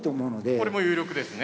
これも有力ですね。